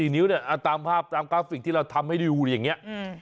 นิ้วเนี่ยตามภาพตามกราฟิกที่เราทำให้ได้ดูอย่างนี้